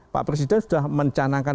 pak presiden sudah mencanangkan